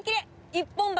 一本橋